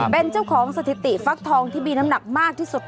เป็นเจ้าของสถิติฟักทองที่มีน้ำหนักมากที่สุด